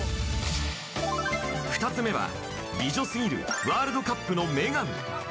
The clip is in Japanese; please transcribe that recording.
２つ目は、美女すぎるワールドカップの女神。